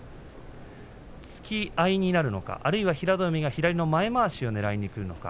突き合いになるのか平戸海が前まわしをねらいにくるのか。